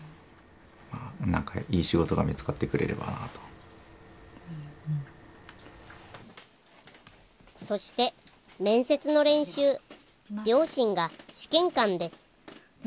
何かいい仕事が見つかってくれればなとそして面接の練習両親が試験官です